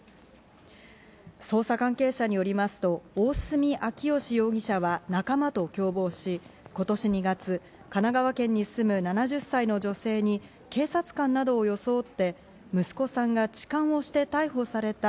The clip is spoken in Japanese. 捜査関係者によりますと大角彰誉容疑者は仲間と共謀し、今年２月、神奈川県に住む７０歳の女性に警察官などを装って息子さんが痴漢をして逮捕された。